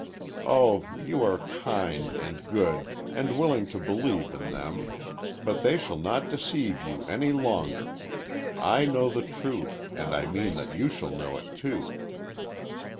Oh, you are kind and good, and willing to believe in them, but they shall not deceive you any longer. I know the truth, and I mean that you shall know it, too."